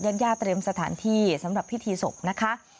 ญาติย่าเตรียมสถานที่สำหรับพิธีศพนะคะ